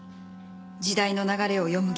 時代の流れを読む技術。